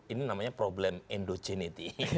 ini namanya problem endogenity